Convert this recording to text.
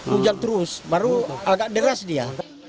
rujak terus baru agak deras dia